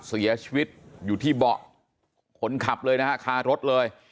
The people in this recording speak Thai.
เสียชีวิตอยู่ที่เบาะคนขับเลยนะฮะคารถเลย